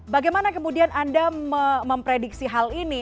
bagaimana kemudian anda memprediksi hal ini